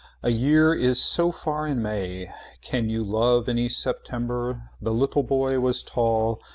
A year is so far in May. Can you love any September. The little boy was tall.